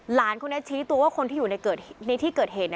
หลานคนนี้ชี้ตัวว่าคนที่อยู่ในที่เกิดเหตุ